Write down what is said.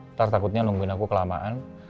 ntar takutnya nungguin aku kelamaan